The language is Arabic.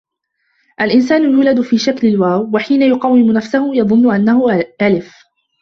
«الإنسان يولد في شكل "الواو"، وحين يُقَوِّمُ نفسه يظن أنه “ألف”